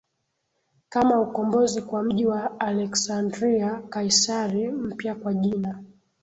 kama ukombozi kwa mji wa Aleksandria Kaisari mpya kwa jina